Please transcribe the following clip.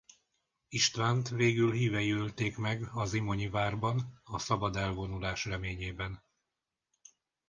Istvánt végül hívei ölték meg a zimonyi várban a szabad elvonulás reményében.